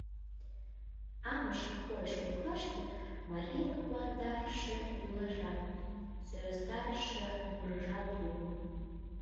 Амыше койыш коклаште марийын куандарыше йӱлажат, сӧрастарыше мурыжат уло.